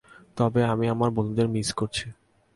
তবে, আমি আমার বন্ধুদের মিস করছি।